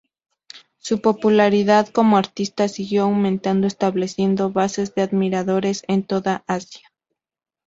Su popularidad como artista siguió aumentando, estableciendo bases de admiradores en toda Asia.